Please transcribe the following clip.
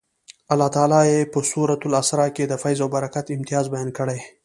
الله تعالی یې په سورة الاسرا کې د فیض او برکت امتیاز بیان کړی.